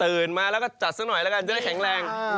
มาแล้วก็จัดซะหน่อยแล้วกันจะได้แข็งแรง